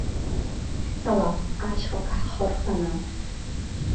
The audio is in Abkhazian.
Ҳцалап, ашьхаҟа ҳхы рханы.